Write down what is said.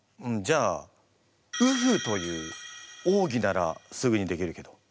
じゃあ兎歩という奥義ならすぐにできるけど。